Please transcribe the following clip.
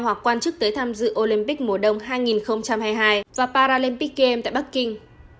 hoặc quan chức tới tham dự olympic mùa đông hai nghìn hai mươi hai và paralympic game tại bắc kinh